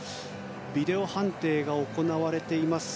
ビデオ判定が行われています。